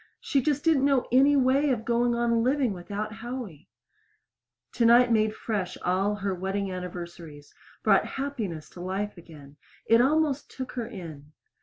she just didn't know any way of going on living without Howie! Tonight made fresh all her wedding anniversaries brought happiness to life again. It almost took her in.